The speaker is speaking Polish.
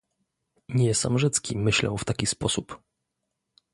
"Nie sam Rzecki myślał w taki sposób."